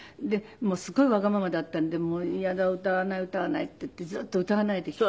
すごいわがままだったんでもう嫌だ歌わない歌わないって言ってずっと歌わないできて。